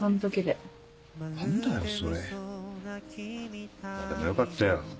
でもよかったよ。